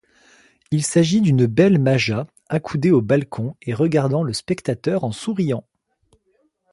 Il s’agit d’une belle maja accoudée au balcon et regardant le spectateur en souriant.